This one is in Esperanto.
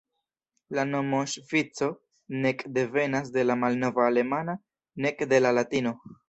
La nomo Ŝvico nek devenas de la malnova alemana, nek de la latino.